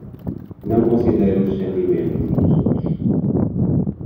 Não considere os sentimentos dos outros